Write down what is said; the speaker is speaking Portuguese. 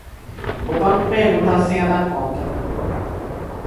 O banco pergunta a senha da conta.